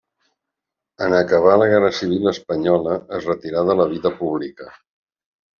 En acabar la guerra civil espanyola es retirà de la vida pública.